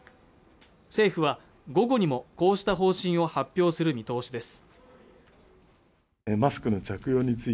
政府は午後にもこうした方針を発表する見通しです